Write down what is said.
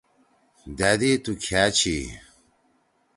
دأدی تُو کھأ چھی؟